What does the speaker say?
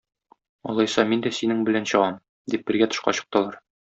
Алайса мин дә синең белән чыгам, - дип, бергә тышка чыктылар.